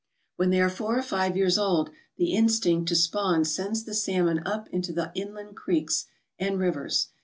When they are four or five years old the instinct to spawn sends the salmon up into the inland creeks and rivers.